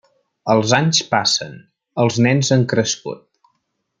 Els anys passen, els nens han crescut.